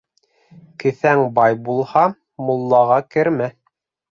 Кеҫәң бай булһа, муллаға кермә.